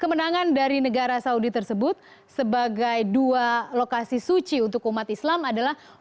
kemenangan dari negara saudi tersebut sebagai dua lokasi suci untuk umat islam adalah